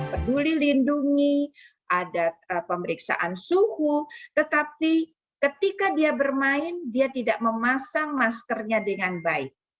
peduli lindungi ada pemeriksaan suhu tetapi ketika dia bermain dia tidak memasang maskernya dengan baik